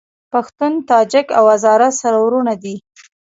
پښتون، تاجک او هزاره سره وروڼه دي